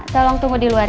tolong tunggu di luar ini